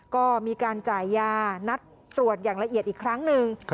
ก็มีการจ่ายยานัดตรวจอย่างละเอียดอีกครั้งหนึ่ง